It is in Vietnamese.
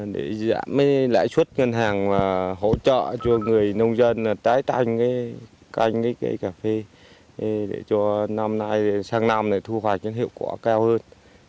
để giảm lãi suất gân hàng và hỗ trợ cho người nông dân là tái tăng cái canh cái cà phê để cho năm nay sáng năm này thu hoạch hiệu quả cao hơn